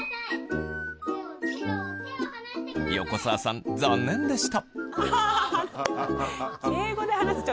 横澤さん残念でした